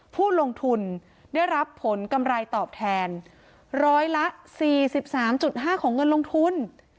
ผู้ลงทุนได้รับผลกำไรตอบแทนร้อยละ๔๓๕ของเงินลงทุน